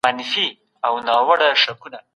د ټولنیزو کړنو په درک سره، افراد خپل چلند اصلاحولی سي.